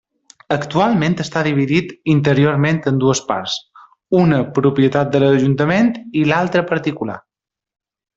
Actualment està dividit interiorment en dues parts, una propietat de l'Ajuntament i l'altre particular.